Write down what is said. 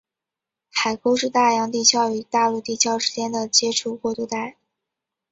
海沟是大洋地壳与大陆地壳之间的接触过渡带。